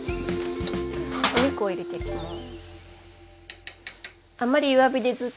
お肉を入れていきます。